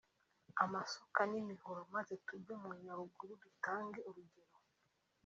amasuka n’imihoro maze tujye mu Nyarugunga dutange urugero